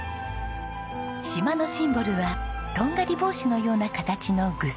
島のシンボルはとんがり帽子のような形の城山。